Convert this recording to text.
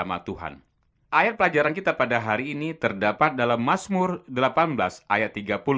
amayat pelajaran kita pada hari ini terdapat dalam masmur delapan belas ayat tiga puluh